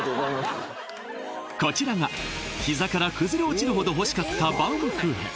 こちらが膝から崩れ落ちるほど欲しかったバウムクーヘン